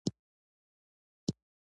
د باور او خیال اړیکه بېساري ده.